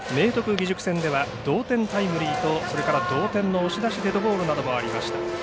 義塾戦では同点タイムリーと同点の押し出しデッドボールなどもありました。